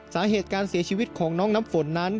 สาเหตุการเสียชีวิตของน้องน้ำฝนนั้น